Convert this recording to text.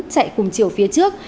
chạy cùng chiều phía trước